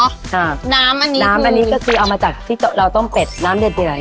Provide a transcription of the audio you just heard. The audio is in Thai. ครับน้ำอันนี้น้ำอันนี้ก็คือเอามาจากที่เราต้มเป็ดน้ำเดือดเดือด